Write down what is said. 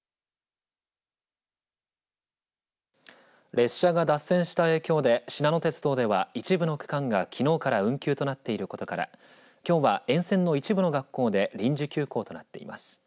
電車が脱線した影響でしなの鉄道では一部の区間が、きのうから運休となっていることからきょうは沿線の一部の学校で臨時休校となっています。